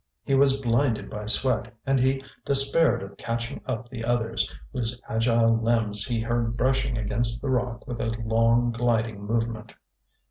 He was blinded by sweat, and he despaired of catching up the others, whose agile limbs he heard brushing against the rock with a long gliding movement.